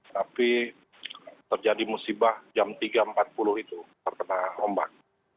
tapi terjadi musibah jam tiga empat puluh itu terkena ombak